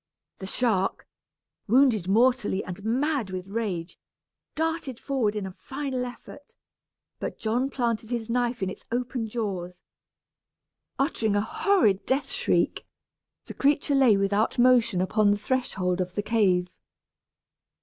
The shark, wounded mortally and mad with rage, darted forward in a final effort, but John planted his knife in its open jaws. Uttering a horrid death shriek, the creature lay without motion upon the threshold of the cave.